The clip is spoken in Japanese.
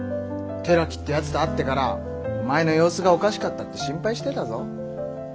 寺木ってやつと会ってからお前の様子がおかしかったって心配してたぞ。